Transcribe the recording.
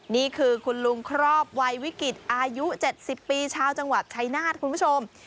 นี่คือคุณลุงครอบวัยวิกฤตอายุ๗๐ปีชาวจังหวัดชายนาฏคุณผู้ชม